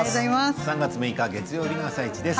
３月６日月曜日の「あさイチ」です。